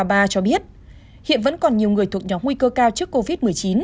ba cho biết hiện vẫn còn nhiều người thuộc nhóm nguy cơ cao trước covid một mươi chín